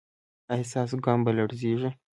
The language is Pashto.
ایا ستاسو ګام به لړزیږي؟